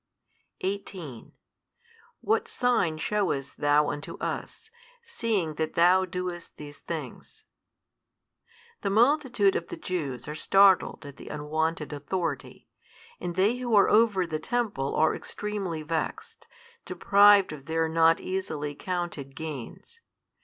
18 What sign shewest Thou unto us, seeing that Thou doest these things? The multitude of the Jews are startled at the unwonted authority, and they who are over the temple are extremely vexed, deprived of their not easily counted gains.